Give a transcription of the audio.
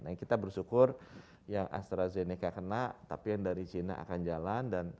nah kita bersyukur yang astrazeneca kena tapi yang dari china akan jalan